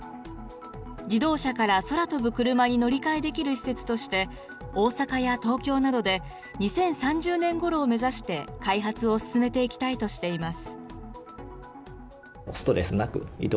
自動車から空飛ぶクルマに乗り換えできる施設として、大阪や東京などで２０３０年ごろを目指して開発を進めていきたいとしています。